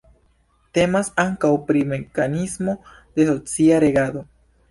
Temas ankaŭ pri mekanismo de socia regado.